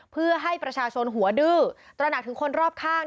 เพื่อให้ประชาชนหัวดื้อตระหนักถึงคนรอบข้าง